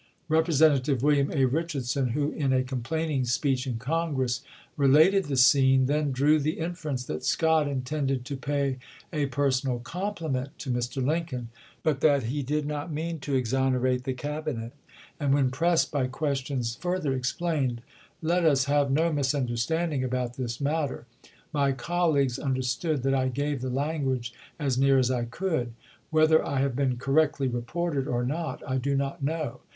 Representative William A. Eichardson, who in a complaining speech in Congress related the scene, then drew the infer ence that Scott intended to pay a personal com pliment to Mr. Lincoln, but that he did not mean to exonerate the Cabinet; and when pressed by questions, further explained :" Let us have no mis understanding about this matter. My colleagues understood that I gave the language as near as I could. Whether I have been correctly reported or not I do not know.